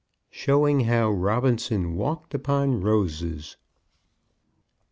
SHOWING HOW ROBINSON WALKED UPON ROSES.